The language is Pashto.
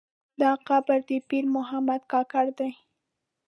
دا قبر د پیر محمد کاکړ دی.